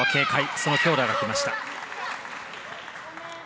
その強打がきました。